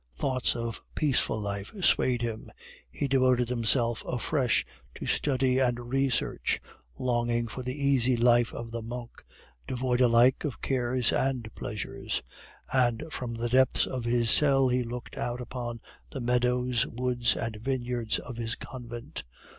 Thoughts of peaceful life swayed him; he devoted himself afresh to study and research, longing for the easy life of the monk, devoid alike of cares and pleasures; and from the depths of his cell he looked out upon the meadows, woods, and vineyards of his convent.